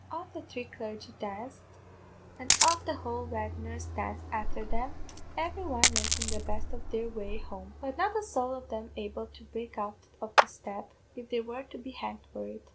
Off the three clargy danced, and off the whole weddiners danced afther them, every one makin' the best of their way home; but not a sowl of them able to break out of the step, if they were to be hanged for it.